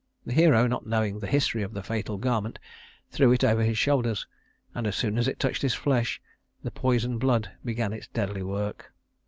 The hero, not knowing the history of the fatal garment, threw it over his shoulders, and as soon as it touched his flesh, the poisoned blood began its deadly work.